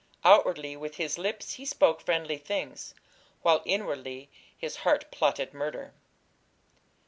"Outwardly with his lips he spoke friendly things, while inwardly his heart plotted murder."